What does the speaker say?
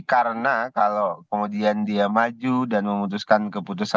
karena kalau kemudian dia maju dan memutuskan keputusan